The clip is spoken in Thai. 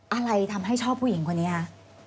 อะไรทำให้ชอบผู้หญิงคนนี้คะ